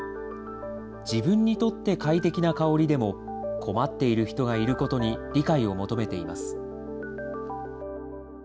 自分にとって快適な香りでも、困っている人がいることに理解を求めています。